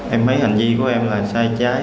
em thấy hành vi của em là sai trái